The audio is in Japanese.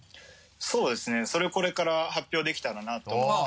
そうですねそれをこれから発表できたらなと思って。